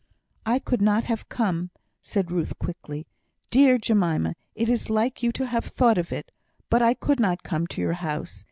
"I could not have come," said Ruth quickly. "Dear Jemima! it is like you to have thought of it but I could not come to your house.